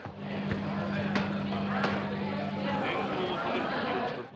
年貢を納めるときがきたぞ。